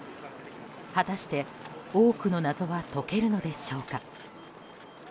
果たして、多くの謎は解けるのでしょうか。